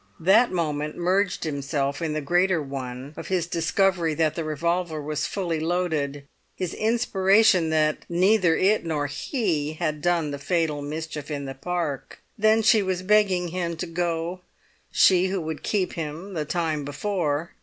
That moment merged itself in the greater one of his discovery that the revolver was fully loaded, his inspiration that neither it nor he had done the fatal mischief in the Park. Then she was begging him to go (she who would keep him the time before!)